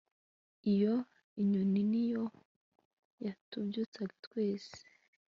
iyo inyoni niyo yatubyutsaga twese